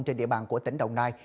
trên địa bàn của tỉnh đồng nai